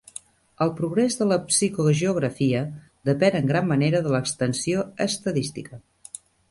El progrés de la psicogeografia depèn en gran manera de l'extensió estadística.